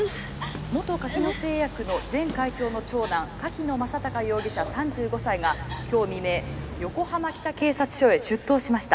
元柿野製薬の前会長の長男柿野正隆容きょう未明横浜北警察署へ出頭しました。